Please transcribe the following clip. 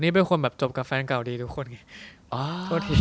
นี่เป็นคนแบบจบกับแฟนเก่าดีทุกคนไง